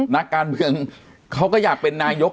นักการเมืองเขาก็อยากเป็นนายก